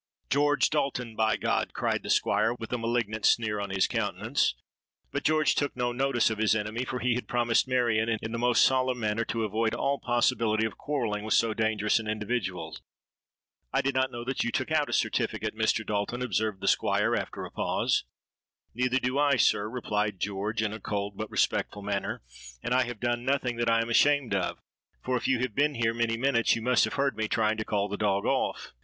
'George Dalton, by God!' cried the Squire, with a malignant sneer on his countenance.—But George took no notice of his enemy; for he had promised Marion in the most solemn manner to avoid all possibility of quarrelling with so dangerous an individual.—'I did not know that you took out a certificate, Mr. Dalton,' observed the Squire, after a pause.—'Neither do I, sir,' replied George in a cold but respectful manner; 'and I have done nothing that I am ashamed of; for, if you have been here many minutes, you must have heard me trying to call the dog off.'